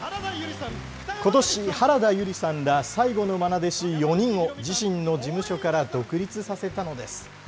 ことし、原田悠里さんら最後のまな弟子４人を、自身の事務所から独立させたのです。